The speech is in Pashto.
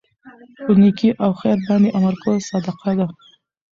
په نيکي او خیر باندي امر کول صدقه ده